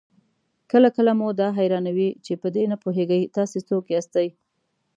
کله کله مو دا حيرانوي چې په دې نه پوهېږئ تاسې څوک ياستئ؟